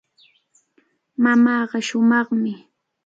Mamaaqa shumaqmi.